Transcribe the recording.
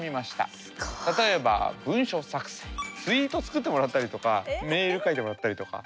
例えば文書作成ツイート作ってもらったりとかメール書いてもらったりとか。